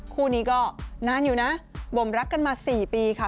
คู่นี้ก็นานอยู่นะบ่มรักกันมา๔ปีค่ะ